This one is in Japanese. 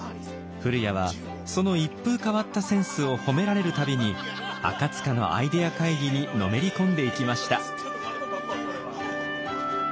古谷はその一風変わったセンスを褒められる度に赤のアイデア会議にのめり込んでいきました。